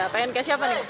pengen kayak siapa nih